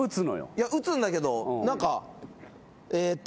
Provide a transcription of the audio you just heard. いや打つんだけど何かえっと？